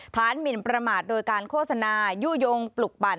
หมินประมาทโดยการโฆษณายู่ยงปลุกปั่น